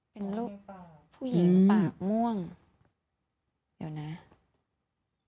เป็นรูปผู้หญิงปากม่วง